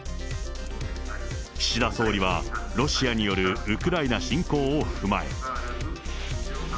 岸田総理は、ロシアによるウクライナ侵攻を踏まえ。